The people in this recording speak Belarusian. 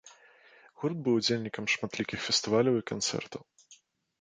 Гурт быў удзельнікам шматлікіх фестываляў і канцэртаў.